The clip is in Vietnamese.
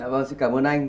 vâng xin cảm ơn anh